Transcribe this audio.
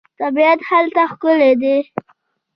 طبیعت هلته ښکلی دی.